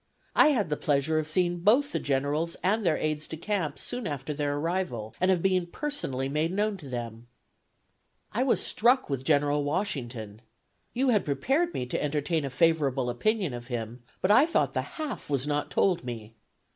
I had the pleasure of seeing both the generals and their aids de camp soon after their arrival, and of being personally made known to them. ... "I was struck with General Washington. You had prepared me to entertain a favorable opinion of him, but I thought the half was not told me.